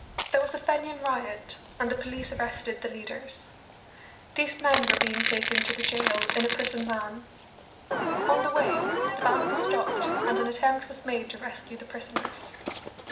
There was a Fenian riot, and the police arrested the leaders. These men were being taken to the jail in a prison van. On the way the van was stopped and an attempt was made to rescue the prisoners.